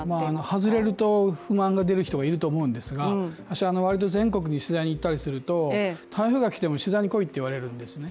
外れると不満が出る人がいると思いますが私はわりと全国に取材に行ったりすると台風が来ても取材に来いと言われるんですね